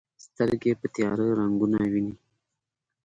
سترګې په تیاره رنګونه ویني.